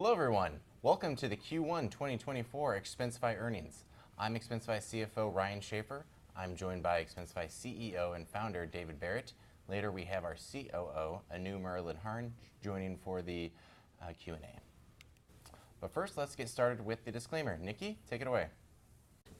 Hello, everyone. Welcome to the Q1 2024 Expensify earnings. I'm Expensify CFO, Ryan Schaffer. I'm joined by Expensify CEO and founder, David Barrett. Later, we have our COO, Anu Muralidharan, joining for the Q&A. But first, let's get started with the disclaimer. Niki, take it away.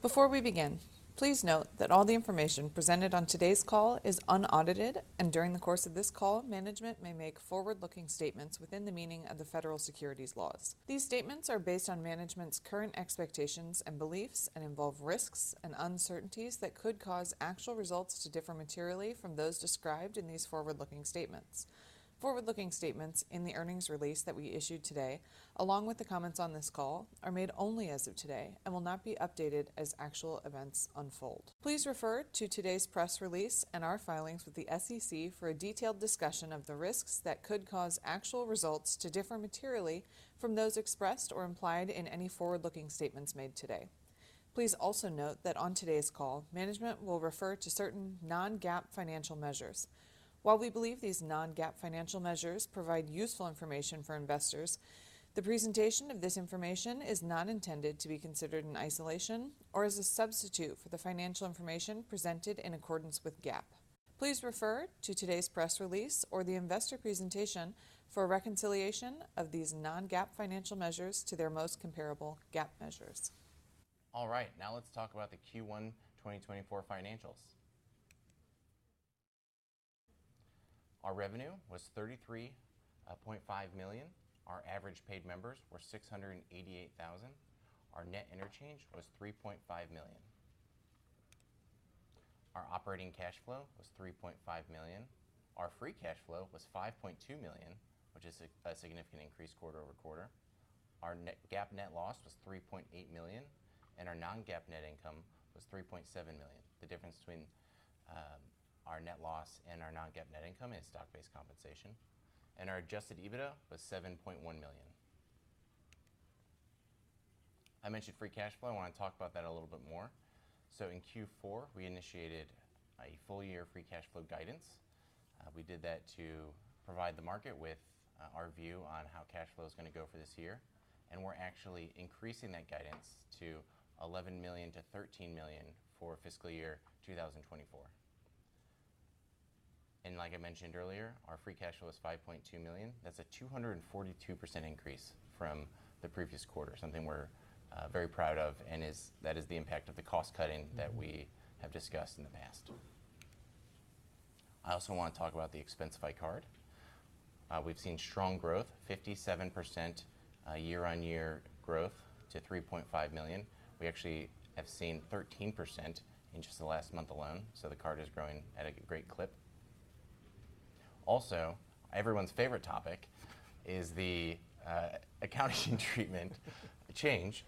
Before we begin, please note that all the information presented on today's call is unaudited, and during the course of this call, management may make forward-looking statements within the meaning of the federal securities laws. These statements are based on management's current expectations and beliefs and involve risks and uncertainties that could cause actual results to differ materially from those described in these forward-looking statements. Forward-looking statements in the earnings release that we issued today, along with the comments on this call, are made only as of today and will not be updated as actual events unfold. Please refer to today's press release and our filings with the SEC for a detailed discussion of the risks that could cause actual results to differ materially from those expressed or implied in any forward-looking statements made today. Please also note that on today's call, management will refer to certain non-GAAP financial measures. While we believe these non-GAAP financial measures provide useful information for investors, the presentation of this information is not intended to be considered in isolation or as a substitute for the financial information presented in accordance with GAAP. Please refer to today's press release or the investor presentation for a reconciliation of these non-GAAP financial measures to their most comparable GAAP measures. All right, now let's talk about the Q1 2024 financials. Our revenue was $33.5 million. Our average paid members were 688,000. Our net interchange was $3.5 million. Our operating cash flow was $3.5 million. Our free cash flow was $5.2 million, which is a significant increase quarter-over-quarter. Our GAAP net loss was $3.8 million, and our non-GAAP net income was $3.7 million. The difference between our net loss and our non-GAAP net income is stock-based compensation, and our adjusted EBITDA was $7.1 million. I mentioned free cash flow. I want to talk about that a little bit more. In Q4, we initiated a full-year free cash flow guidance. We did that to provide the market with our view on how cash flow is going to go for this year, and we're actually increasing that guidance to $11 million-$13 million for fiscal year 2024. Like I mentioned earlier, our free cash flow is $5.2 million. That's a 242% increase from the previous quarter, something we're very proud of and that is the impact of the cost cutting that we have discussed in the past. I also want to talk about the Expensify Card. We've seen strong growth, 57% year-on-year growth to $3.5 million. We actually have seen 13% in just the last month alone, so the card is growing at a great clip. Also, everyone's favorite topic is the accounting treatment change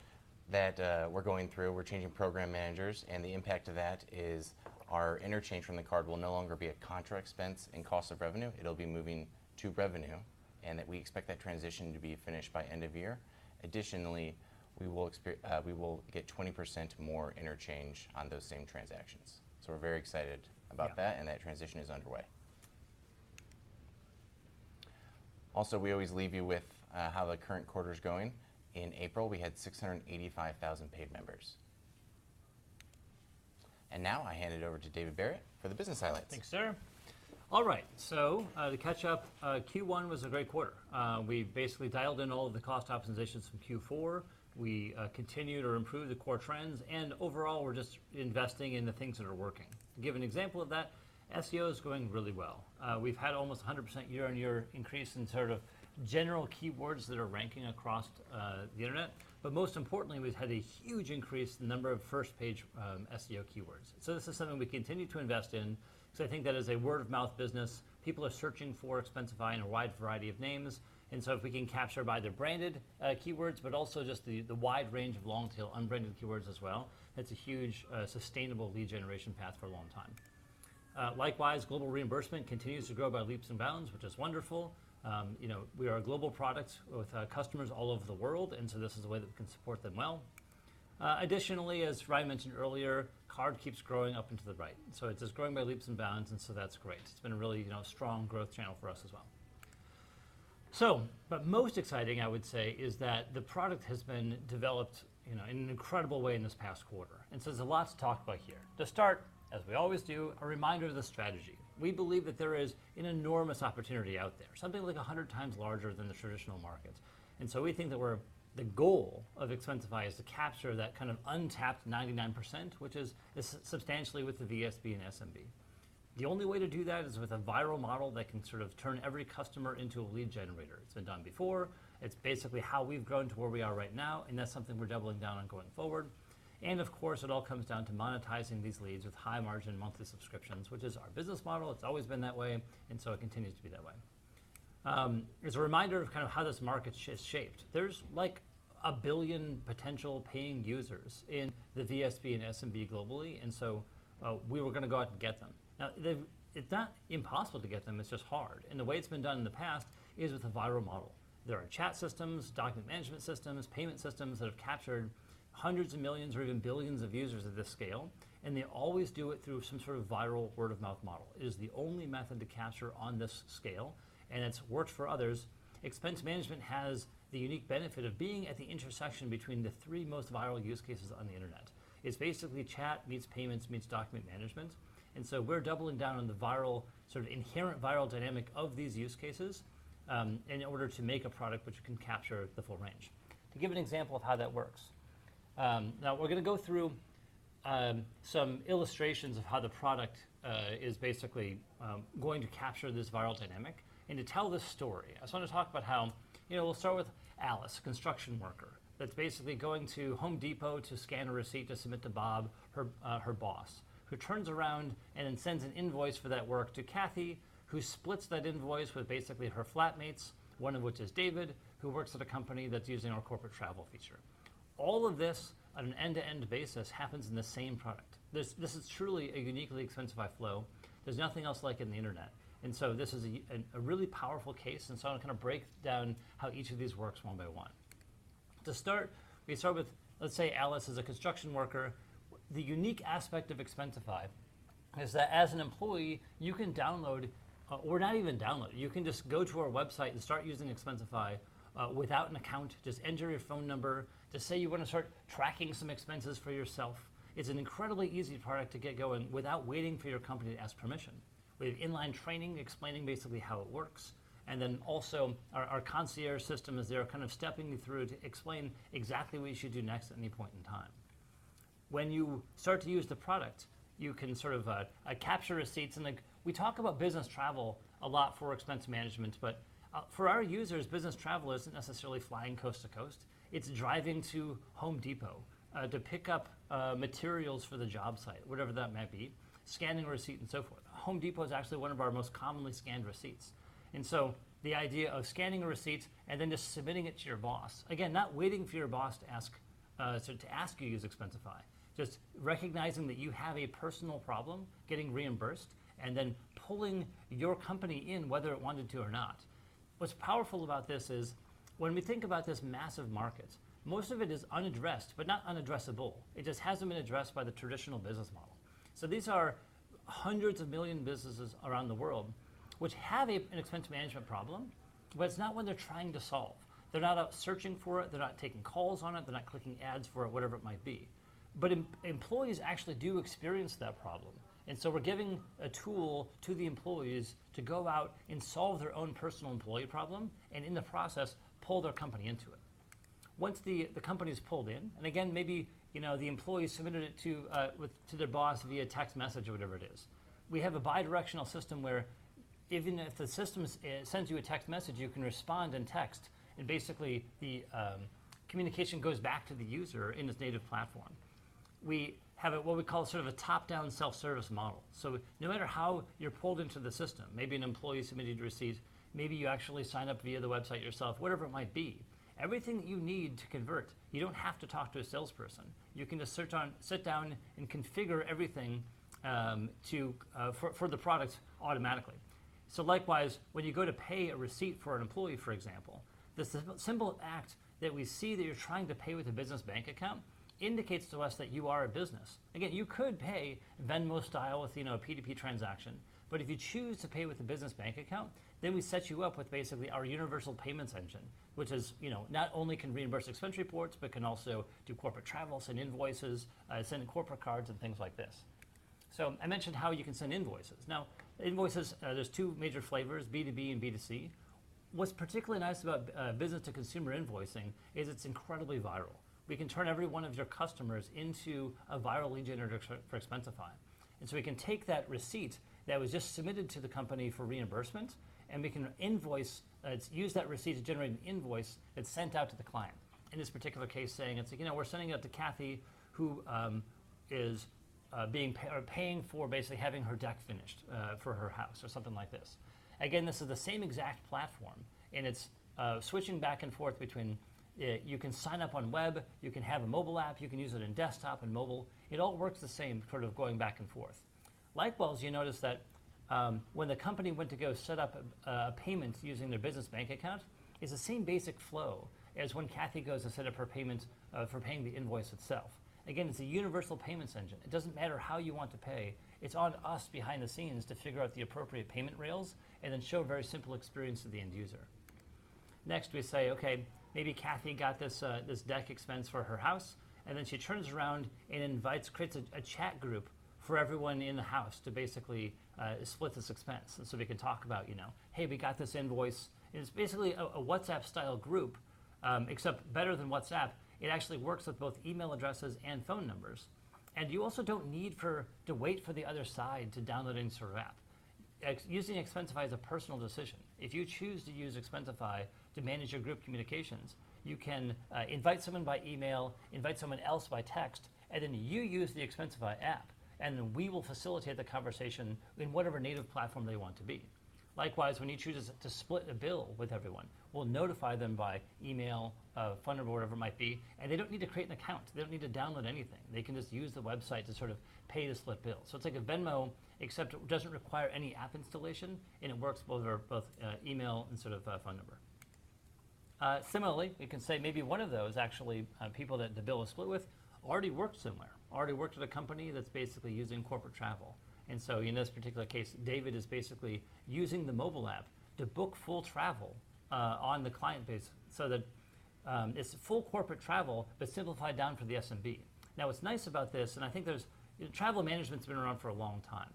that we're going through. We're changing program managers, and the impact of that is our interchange from the card will no longer be a contra expense and cost of revenue. It'll be moving to revenue, and that we expect that transition to be finished by end of year. Additionally, we will get 20% more interchange on those same transactions. So we're very excited about that, and that transition is underway. Also, we always leave you with how the current quarter is going. In April, we had 685,000 paid members. Now I hand it over to David Barrett for the business highlights. Thanks, sir. All right, so, to catch up, Q1 was a great quarter. We basically dialed in all of the cost optimizations from Q4. We continued or improved the core trends, and overall, we're just investing in the things that are working. To give an example of that, SEO is going really well. We've had almost 100% year-on-year increase in sort of general keywords that are ranking across the internet. But most importantly, we've had a huge increase in the number of first page SEO keywords. So this is something we continue to invest in. So I think that as a word-of-mouth business, people are searching for Expensify in a wide variety of names, and so if we can capture by their branded keywords, but also just the wide range of long-tail, unbranded keywords as well, that's a huge sustainable lead generation path for a long time. Likewise, global reimbursement continues to grow by leaps and bounds, which is wonderful. You know, we are a global product with customers all over the world, and so this is a way that we can support them well. Additionally, as Ryan mentioned earlier, card keeps growing up into the right, so it's growing by leaps and bounds, and so that's great. It's been a really, you know, strong growth channel for us as well. But most exciting, I would say, is that the product has been developed, you know, in an incredible way in this past quarter, and so there's a lot to talk about here. To start, as we always do, a reminder of the strategy. We believe that there is an enormous opportunity out there, something like 100 times larger than the traditional markets, and so we think that we're, the goal of Expensify is to capture that kind of untapped 99%, which is substantially with the VSB and SMB. The only way to do that is with a viral model that can sort of turn every customer into a lead generator. It's been done before. It's basically how we've grown to where we are right now, and that's something we're doubling down on going forward. And of course, it all comes down to monetizing these leads with high-margin monthly subscriptions, which is our business model. It's always been that way, and so it continues to be that way. As a reminder of kind of how this market is shaped, there's, like, 1 billion potential paying users in the VSB and SMB globally, and so we were gonna go out and get them. Now, they've. It's not impossible to get them, it's just hard, and the way it's been done in the past is with a viral model. There are chat systems, document management systems, payment systems that have captured hundreds of millions or even billions of users at this scale, and they always do it through some sort of viral word-of-mouth model. It is the only method to capture on this scale, and it's worked for others. Expense management has the unique benefit of being at the intersection between the three most viral use cases on the internet. It's basically chat, meets payments, meets document management, and so we're doubling down on the viral, sort of inherent viral dynamic of these use cases, in order to make a product which can capture the full range. To give an example of how that works, now we're gonna go through some illustrations of how the product is basically going to capture this viral dynamic, and to tell this story, I just wanna talk about how... You know, we'll start with Alice, a construction worker, that's basically going to Home Depot to scan a receipt to submit to Bob, her boss, who turns around and then sends an invoice for that work to Kathy, who splits that invoice with basically her flatmates. One of which is David, who works at a company that's using our corporate travel feature. All of this, on an end-to-end basis, happens in the same product. This is truly a uniquely Expensify flow. There's nothing else like it on the internet, and so this is a really powerful case, and so I'm gonna kind of break down how each of these works one by one. To start, we start with, let's say Alice is a construction worker. The unique aspect of Expensify is that as an employee, you can download, or not even download, you can just go to our website and start using Expensify without an account. Just enter your phone number. Just say you want to start tracking some expenses for yourself. It's an incredibly easy product to get going without waiting for your company to ask permission. We have inline training explaining basically how it works, and then also, our, our Concierge system is there, kind of stepping you through to explain exactly what you should do next at any point in time. When you start to use the product, you can sort of, capture receipts and, like... We talk about business travel a lot for expense management, but, for our users, business travel isn't necessarily flying coast to coast. It's driving to Home Depot, to pick up, materials for the job site, whatever that might be, scanning a receipt, and so forth. Home Depot is actually one of our most commonly scanned receipts, and so the idea of scanning a receipt and then just submitting it to your boss. Again, not waiting for your boss to ask, so to ask you to use Expensify, just recognizing that you have a personal problem getting reimbursed, and then pulling your company in whether it wanted to or not. What's powerful about this is, when we think about this massive market, most of it is unaddressed, but not unaddressable. It just hasn't been addressed by the traditional business model. So these are hundreds of million businesses around the world which have an expense management problem, but it's not one they're trying to solve. They're not out searching for it, they're not taking calls on it, they're not clicking ads for it, whatever it might be. But employees actually do experience that problem, and so we're giving a tool to the employees to go out and solve their own personal employee problem, and in the process, pull their company into it. Once the company is pulled in, and again, maybe, you know, the employee submitted it to, with, to their boss via text message or whatever it is. We have a bidirectional system where even if the system sends you a text message, you can respond in text, and basically, the communication goes back to the user in its native platform. We have a, what we call sort of a top-down self-service model. So no matter how you're pulled into the system, maybe an employee submitted a receipt, maybe you actually sign up via the website yourself, whatever it might be, everything that you need to convert, you don't have to talk to a salesperson. You can just sit down and configure everything for the product automatically. So likewise, when you go to pay a receipt for an employee, for example, the simple act that we see that you're trying to pay with a business bank account indicates to us that you are a business. Again, you could pay Venmo style with, you know, a P2P transaction, but if you choose to pay with a business bank account, then we set you up with basically our universal payments engine, which is, you know, not only can reimburse expense reports, but can also do corporate travel, send invoices, send corporate cards, and things like this. So I mentioned how you can send invoices. Now, invoices, there's two major flavors, B2B and B2C. What's particularly nice about business-to-consumer invoicing is it's incredibly viral. We can turn every one of your customers into a viral lead generator for Expensify. And so we can take that receipt that was just submitted to the company for reimbursement, and we can use that receipt to generate an invoice that's sent out to the client. In this particular case, saying it's, you know, we're sending it out to Kathy, who is paying for basically having her deck finished for her house, or something like this. Again, this is the same exact platform, and it's switching back and forth between you can sign up on web, you can have a mobile app, you can use it in desktop and mobile. It all works the same, sort of going back and forth. Likewise, you notice that, when the company went to go set up payments using their business bank account, it's the same basic flow as when Kathy goes to set up her payments for paying the invoice itself. Again, it's a universal payments engine. It doesn't matter how you want to pay. It's on us behind the scenes to figure out the appropriate payment rails and then show a very simple experience to the end user. Next, we say, okay, maybe Kathy got this deck expense for her house, and then she turns around and invites, creates a chat group for everyone in the house to basically split this expense, so they can talk about, you know, "Hey, we got this invoice." And it's basically a WhatsApp-style group, except better than WhatsApp. It actually works with both email addresses and phone numbers, and you also don't need to wait for the other side to download and set up the app. Using Expensify is a personal decision. If you choose to use Expensify to manage your group communications, you can invite someone by email, invite someone else by text, and then you use the Expensify app, and then we will facilitate the conversation in whatever native platform they want to be. Likewise, when you choose to split a bill with everyone, we'll notify them by email, phone number, whatever it might be, and they don't need to create an account. They don't need to download anything. They can just use the website to sort of pay the split bill. So it's like a Venmo, except it doesn't require any app installation, and it works both over both, email and sort of phone number. Similarly, we can say maybe one of those, actually, people that the bill was split with already worked somewhere, already worked at a company that's basically using corporate travel. And so in this particular case, David is basically using the mobile app to book full travel on the client base, so that it's full corporate travel, but simplified down for the SMB. Now, what's nice about this, and I think there's... Travel management's been around for a long time.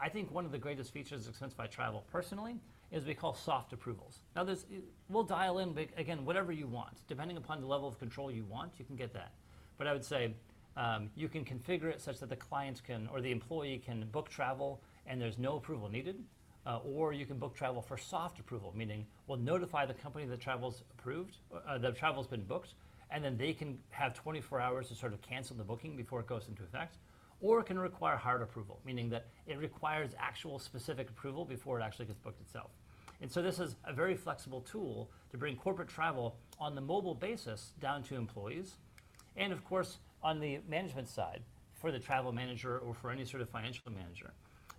I think one of the greatest features of Expensify Travel personally is what we call soft approvals. Now, this, it we'll dial in, again, whatever you want. Depending upon the level of control you want, you can get that. But I would say, you can configure it such that the client can, or the employee can book travel, and there's no approval needed, or you can book travel for soft approval, meaning we'll notify the company that the travel's approved, that travel's been booked, and then they can have 24 hours to sort of cancel the booking before it goes into effect, or it can require hard approval, meaning that it requires actual specific approval before it actually gets booked itself. And so this is a very flexible tool to bring corporate travel on the mobile basis down to employees, and of course, on the management side, for the travel manager or for any sort of financial manager.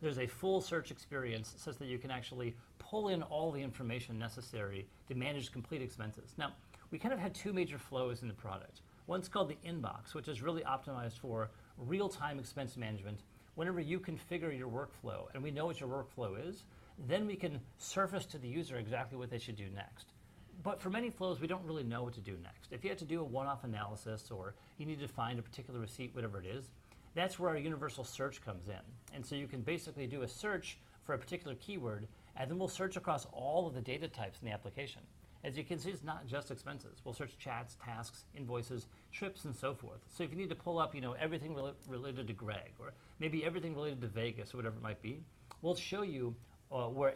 There's a full search experience such that you can actually pull in all the information necessary to manage complete expenses. Now, we kind of had two major flows in the product. One's called the inbox, which is really optimized for real-time expense management. Whenever you configure your workflow, and we know what your workflow is, then we can surface to the user exactly what they should do next. But for many flows, we don't really know what to do next. If you had to do a one-off analysis, or you needed to find a particular receipt, whatever it is, that's where our universal search comes in, and so you can basically do a search for a particular keyword, and then we'll search across all of the data types in the application. As you can see, it's not just expenses. We'll search chats, tasks, invoices, trips, and so forth. So if you need to pull up, you know, everything related to Greg or maybe everything related to Vegas or whatever it might be, we'll show you where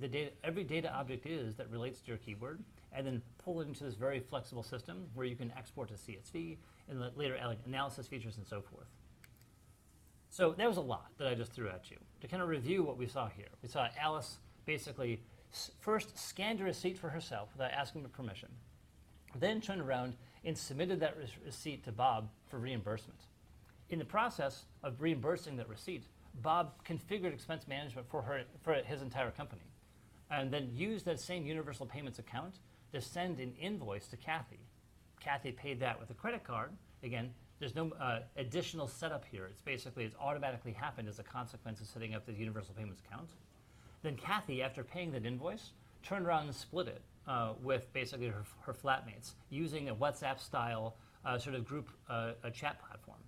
the data, every data object is that relates to your keyword and then pull it into this very flexible system where you can export to CSV and later analysis features and so forth. So that was a lot that I just threw at you. To kind of review what we saw here, we saw Alice basically first scanned a receipt for herself without asking for permission, then turned around and submitted that receipt to Bob for reimbursement. In the process of reimbursing that receipt, Bob configured expense management for her, for his entire company, and then used that same universal payments account to send an invoice to Kathy. Kathy paid that with a credit card. Again, there's no additional setup here. It's basically, it's automatically happened as a consequence of setting up this universal payments account. Then Kathy, after paying that invoice, turned around and split it with basically her flat mates, using a WhatsApp style sort of group a chat platform.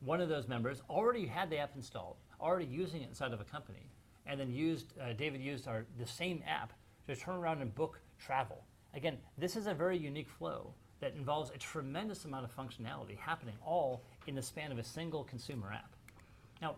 One of those members already had the app installed, already using it inside of a company, and then David used our the same app to turn around and book travel. Again, this is a very unique flow that involves a tremendous amount of functionality happening all in the span of a single consumer app. Now,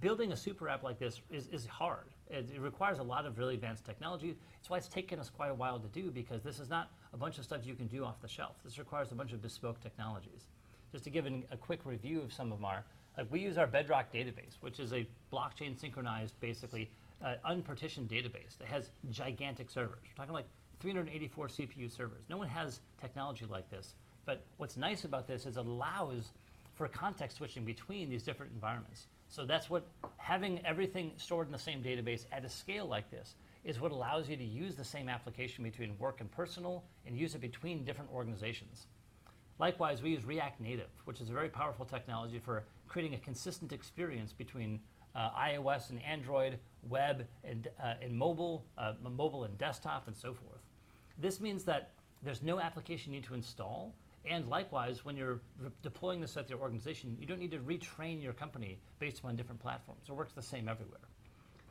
building a super app like this is hard. It requires a lot of really advanced technology. It's why it's taken us quite a while to do, because this is not a bunch of stuff you can do off the shelf. This requires a bunch of bespoke technologies. Just to give a quick review of some of our, like, we use our Bedrock database, which is a blockchain-synchronized, basically, unpartitioned database that has gigantic servers. We're talking, like, 384 CPU servers. No one has technology like this, but what's nice about this is it allows for context switching between these different environments. So that's what having everything stored in the same database at a scale like this is what allows you to use the same application between work and personal and use it between different organizations. Likewise, we use React Native, which is a very powerful technology for creating a consistent experience between iOS and Android, web and mobile and desktop, and so forth. This means that there's no application you need to install, and likewise, when you're deploying this at your organization, you don't need to retrain your company based upon different platforms. It works the same everywhere.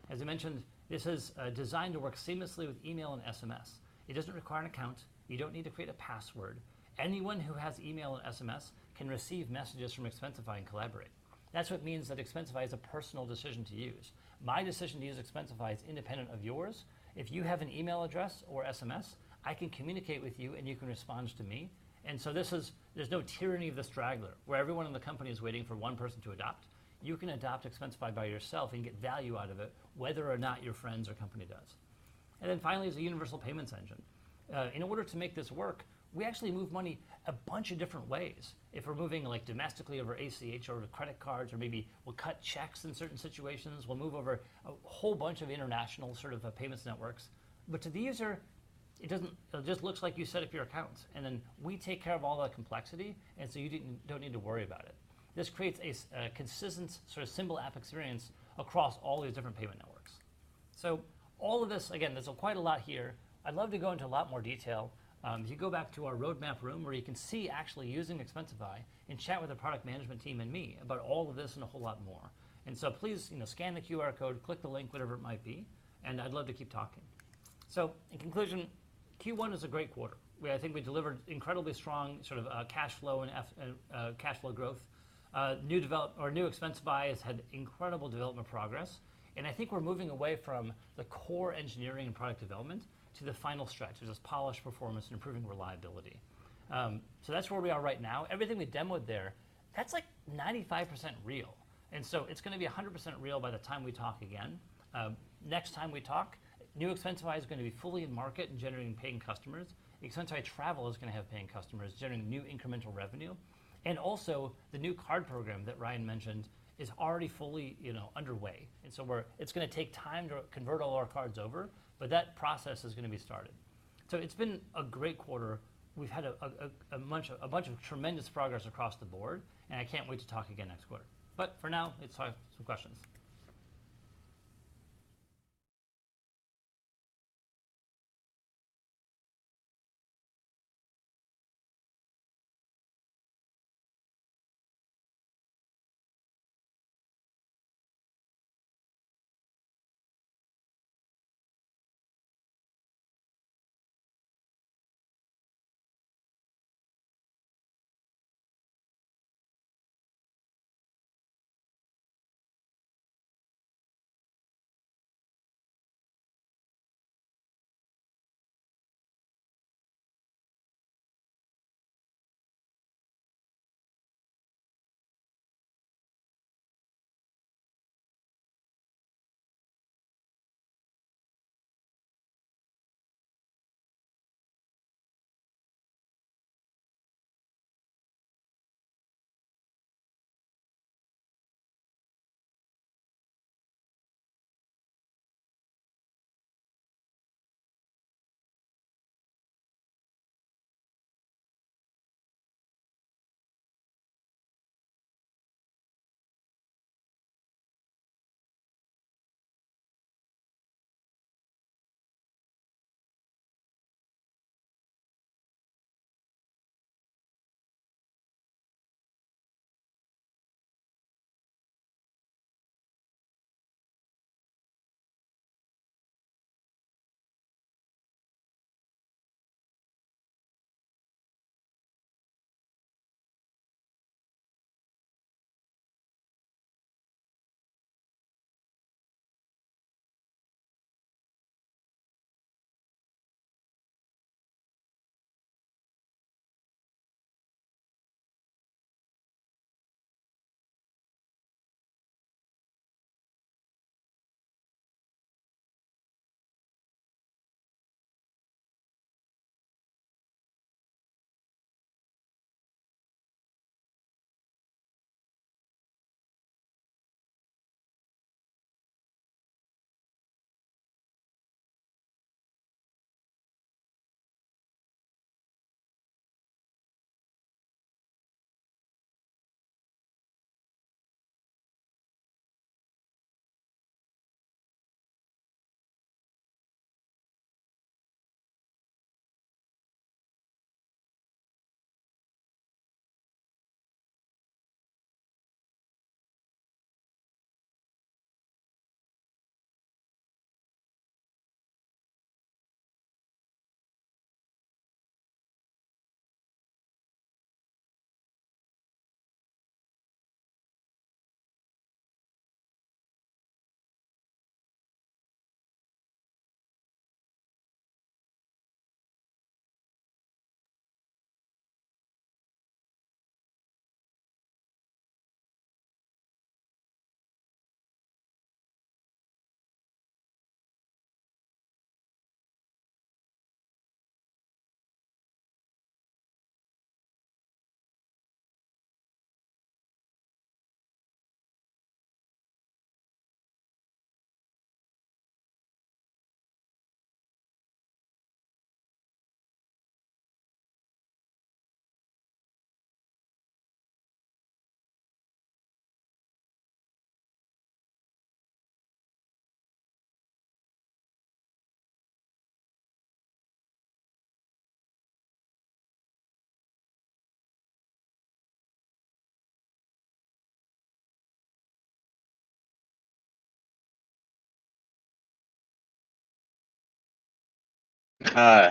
As I mentioned, this is designed to work seamlessly with email and SMS. It doesn't require an account. You don't need to create a password. Anyone who has email and SMS can receive messages from Expensify and collaborate. That's what means that Expensify is a personal decision to use. My decision to use Expensify is independent of yours. If you have an email address or SMS, I can communicate with you, and you can respond to me, and so this is. There's no tyranny of the straggler, where everyone in the company is waiting for one person to adopt. You can adopt Expensify by yourself and get value out of it, whether or not your friends or company does. And then finally, there's a universal payments engine. In order to make this work, we actually move money a bunch of different ways. If we're moving, like, domestically over ACH or over credit cards, or maybe we'll cut checks in certain situations, we'll move over a whole bunch of international sort of payments networks. But to the user, it doesn't. It just looks like you set up your accounts, and then we take care of all the complexity, and so you don't need to worry about it. This creates a consistent, sort of simple app experience across all these different payment networks. So all of this, again, there's quite a lot here. I'd love to go into a lot more detail. If you go back to our roadmap room, where you can see actually using Expensify and chat with the product management team and me about all of this and a whole lot more. And so please, you know, scan the QR code, click the link, whatever it might be, and I'd love to keep talking. So in conclusion, Q1 was a great quarter. I think we delivered incredibly strong sort of, cashflow and cashflow growth. Our New Expensify had incredible development progress, and I think we're moving away from the core engineering and product development to the final stretch, which is polish performance and improving reliability. So that's where we are right now. Everything we demoed there, that's like 95% real, and so it's gonna be a 100% real by the time we talk again. Next time we talk, New Expensify is gonna be fully in market and generating paying customers. Expensify Travel is gonna have paying customers, generating new incremental revenue. And also, the new card program that Ryan mentioned is already fully, you know, underway, and so we're. It's gonna take time to convert all our cards over, but that process is gonna be started. So it's been a great quarter. We've had a bunch of tremendous progress across the board, and I can't wait to talk again next quarter. But for now, let's talk some questions.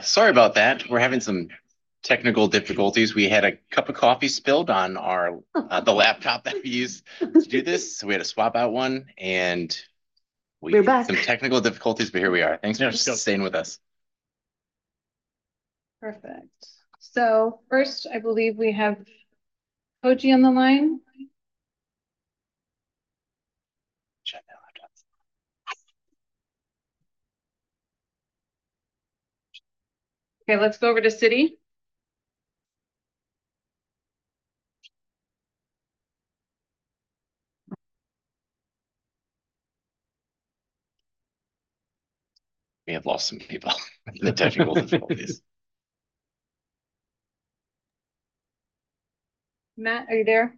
Sorry about that. We're having some technical difficulties. We had a cup of coffee spilled on the laptop that we use to do this. So we had to swap out one, and we- We're back. Some technical difficulties, but here we are. Thanks for still staying with us. Perfect. So first, I believe we have Koji on the line. Check the address. Okay, let's go over to Citi. We have lost some people, the technical difficulties. Matt, are you there?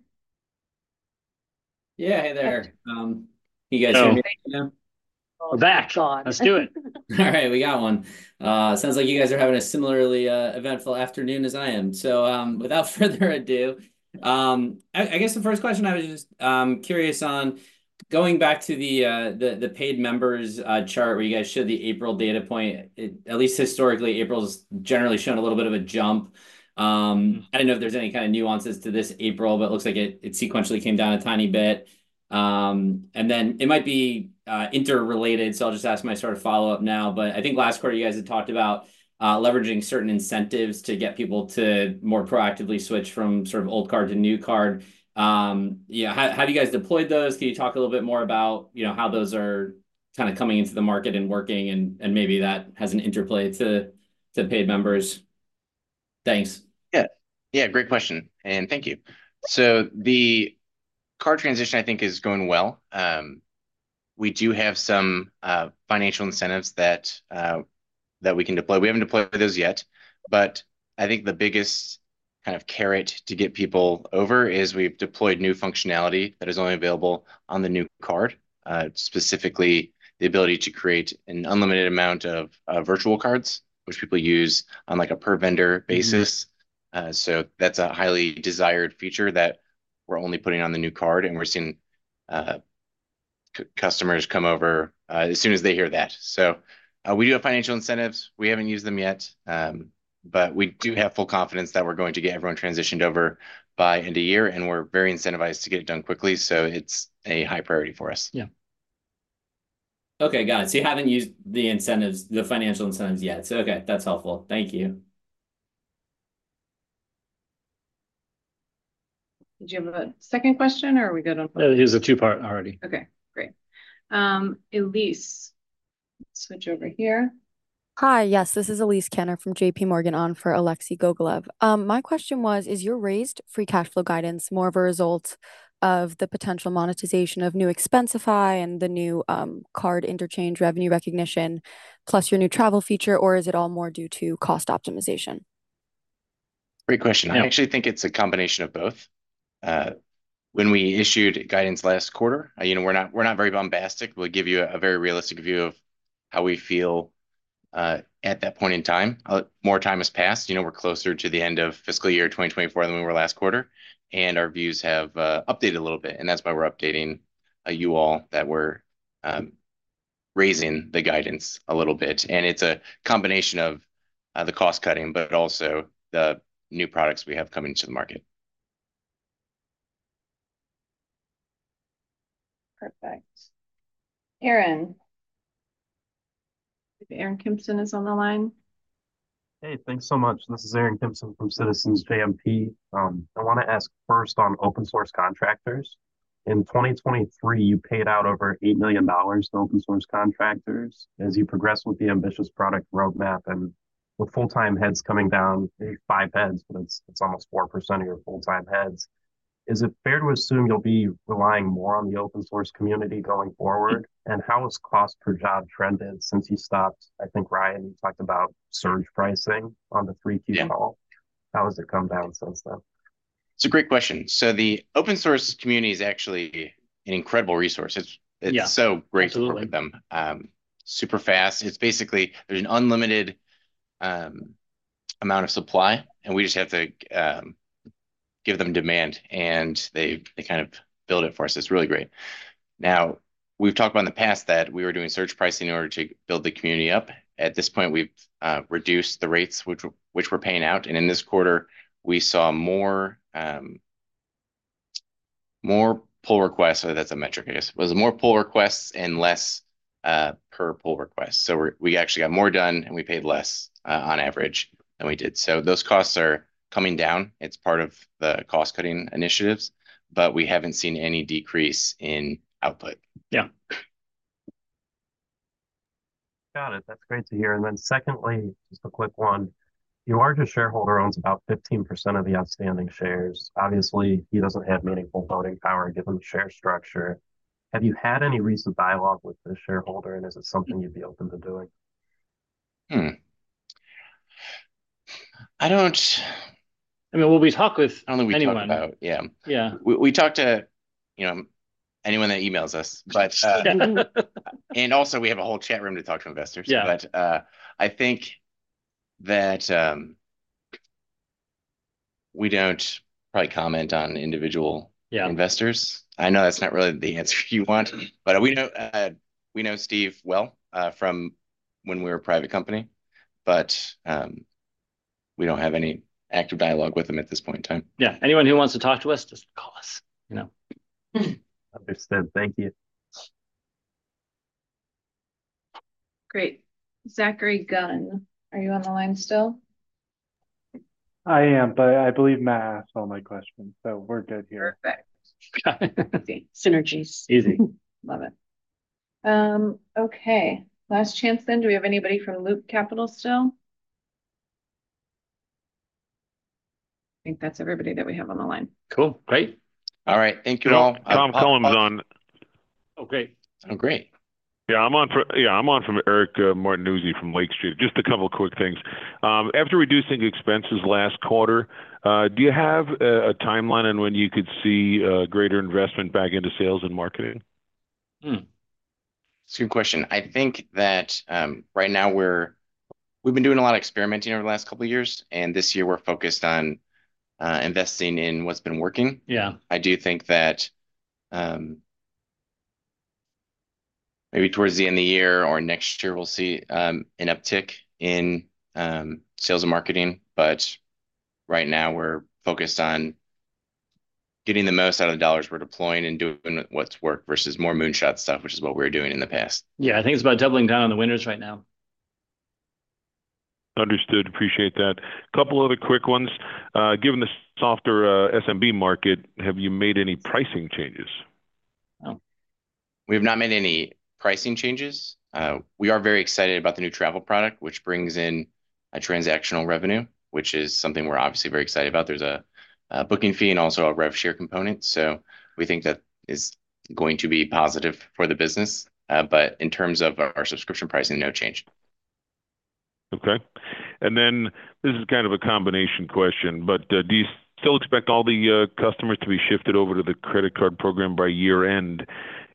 Yeah. Hey there. You guys hear me now? We're back. We're back. Let's do it. All right, we got one. Sounds like you guys are having a similarly eventful afternoon as I am. So, without further ado, I guess the first question I was just curious on-... Going back to the paid members' chart, where you guys showed the April data point, at least historically, April's generally shown a little bit of a jump. I don't know if there's any kind of nuances to this April, but it looks like it sequentially came down a tiny bit. And then it might be interrelated, so I'll just ask my sort of follow-up now. But I think last quarter, you guys had talked about leveraging certain incentives to get people to more proactively switch from sort of old card to new card. Yeah, how have you guys deployed those? Can you talk a little bit more about, you know, how those are kinda coming into the market and working and maybe that has an interplay to paid members? Thanks. Yeah. Yeah, great question, and thank you. So the card transition, I think, is going well. We do have some financial incentives that we can deploy. We haven't deployed those yet, but I think the biggest kind of carrot to get people over is we've deployed new functionality that is only available on the new card, specifically the ability to create an unlimited amount of virtual cards, which people use on, like, a per vendor basis. Mm-hmm. So that's a highly desired feature that we're only putting on the new card, and we're seeing customers come over as soon as they hear that. So we do have financial incentives. We haven't used them yet, but we do have full confidence that we're going to get everyone transitioned over by end of year, and we're very incentivized to get it done quickly, so it's a high priority for us. Yeah. Okay, got it. So you haven't used the incentives, the financial incentives yet. So, okay, that's helpful. Thank you. Did you have a second question, or are we good on- No, it was a two-part already. Okay, great. Elyse, switch over here. Hi. Yes, this is Elyse Kanner from J.P. Morgan, on for Alexi Gogolev. My question was, is your raised free cash flow guidance more of a result of the potential monetization of New Expensify and the new, card interchange revenue recognition, plus your new travel feature, or is it all more due to cost optimization? Great question. Yeah. I actually think it's a combination of both. When we issued guidance last quarter, you know, we're not, we're not very bombastic. We'll give you a very realistic view of how we feel at that point in time. More time has passed. You know, we're closer to the end of fiscal year 2024 than we were last quarter, and our views have updated a little bit, and that's why we're updating you all that we're raising the guidance a little bit. And it's a combination of the cost-cutting, but also the new products we have coming to the market. Perfect. Aaron. Aaron Kimson is on the line. Hey, thanks so much. This is Aaron Kimpson from Citizens JMP. I wanna ask first on open source contractors. In 2023, you paid out over $8 million to open source contractors. As you progress with the ambitious product roadmap and with full-time heads coming down, maybe five heads, but it's almost 4% of your full-time heads, is it fair to assume you'll be relying more on the open source community going forward? Yeah. How has cost per job trended since you stopped... I think, Ryan, you talked about surge pricing on the 3Q call? Yeah. How has it come down since then? It's a great question. So the open source community is actually an incredible resource. It's- Yeah... it's so great to work with them. Absolutely. Super fast. It's basically, there's an unlimited amount of supply, and we just have to give them demand, and they, they kind of build it for us. It's really great. Now, we've talked about in the past that we were doing surge pricing in order to build the community up. At this point, we've reduced the rates which we, which we're paying out, and in this quarter, we saw more, more pull requests, so that's a metric I guess. Was more pull requests and less per pull request. So we actually got more done, and we paid less on average than we did. So those costs are coming down. It's part of the cost-cutting initiatives, but we haven't seen any decrease in output. Yeah. Got it. That's great to hear. And then secondly, just a quick one, your largest shareholder owns about 15% of the outstanding shares. Obviously, he doesn't have meaningful voting power, given the share structure. Have you had any recent dialogue with this shareholder, and is it something you'd be open to doing? Hmm. I don't- I mean, well, we talk with anyone. I don't think we talk about... Yeah. Yeah. We talk to, you know, anyone that emails us, but, and also we have a whole chat room to talk to investors. Yeah. But, I think that, we don't probably comment on individual- Yeah... investors. I know that's not really the answer you want, but we know Steve well from when we were a private company, but we don't have any active dialogue with him at this point in time. Yeah, anyone who wants to talk to us, just call us. You know? Understood. Thank you. Great. Zachary Gunn, are you on the line still? I am, but I believe Matt asked all my questions, so we're good here. Perfect. Synergies. Easy. Love it. Okay, last chance then. Do we have anybody from Loop Capital still? I think that's everybody that we have on the line. Cool. Great. All right. Thank you all. Tom Collum Oh, great. Oh, great. Yeah, I'm on from Eric Martinuzzi from Lake Street. Just a couple quick things. After reducing expenses last quarter, do you have a timeline on when you could see greater investment back into sales and marketing? Hmm.... It's a good question. I think that, right now we've been doing a lot of experimenting over the last couple years, and this year we're focused on, investing in what's been working. Yeah. I do think that, maybe towards the end of the year or next year we'll see an uptick in sales and marketing. But right now we're focused on getting the most out of the dollars we're deploying and doing what's worked versus more moonshot stuff, which is what we were doing in the past. Yeah, I think it's about doubling down on the winners right now. Understood. Appreciate that. Couple other quick ones. Given the softer SMB market, have you made any pricing changes? No, we have not made any pricing changes. We are very excited about the new travel product, which brings in a transactional revenue, which is something we're obviously very excited about. There's a booking fee and also a rev share component, so we think that is going to be positive for the business. But in terms of our subscription pricing, no change. Okay. And then this is kind of a combination question, but, do you still expect all the customers to be shifted over to the credit card program by year-end?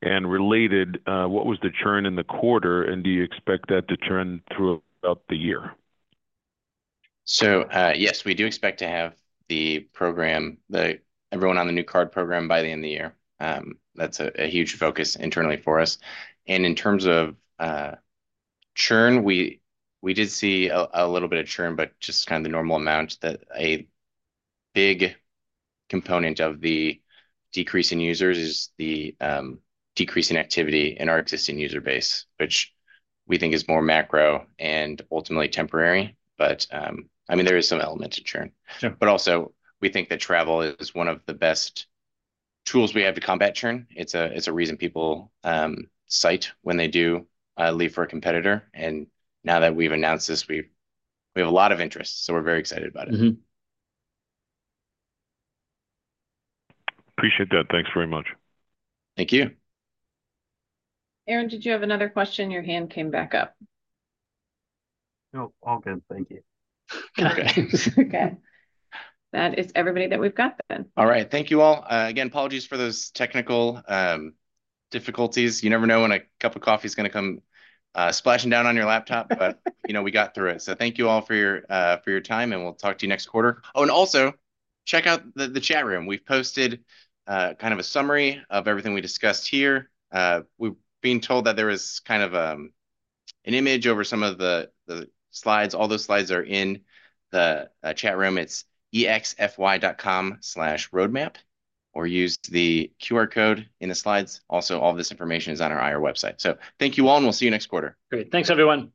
And related, what was the churn in the quarter, and do you expect that to churn throughout the year? So, yes, we do expect to have the program, everyone on the new card program by the end of the year. That's a huge focus internally for us. And in terms of churn, we did see a little bit of churn, but just kind of the normal amount that a big component of the decrease in users is the decrease in activity in our existing user base, which we think is more macro and ultimately temporary. But, I mean, there is some element to churn. Sure. But also, we think that travel is one of the best tools we have to combat churn. It's a reason people cite when they do leave for a competitor. And now that we've announced this, we have a lot of interest, so we're very excited about it. Mm-hmm. Appreciate that. Thanks very much. Thank you. Aaron, did you have another question? Your hand came back up. No, all good. Thank you. Okay. That is everybody that we've got then. All right. Thank you all. Again, apologies for those technical difficulties. You never know when a cup of coffee is gonna come splashing down on your laptop, but you know, we got through it. So thank you all for your time, and we'll talk to you next quarter. Oh, and also, check out the chat room. We've posted kind of a summary of everything we discussed here. We've been told that there is kind of an image over some of the slides. All those slides are in the chat room. It's exfy.com/roadmap or use the QR code in the slides. Also, all this information is on our IR website. So thank you all, and we'll see you next quarter. Great. Thanks, everyone. Bye.